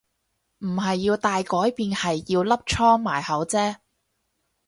唔係要大改變係要粒瘡埋口啫